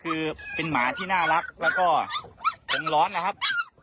คือเป็นหมาที่น่ารักแล้วก็คงร้อนนะครับ